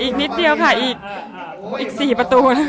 อีกอีกสี่ประตู